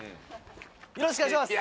よろしくお願いします。